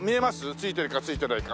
ついてるかついてないか。